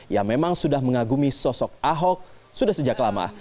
yang memang sudah mengagumi sosok ahok sudah sejak lama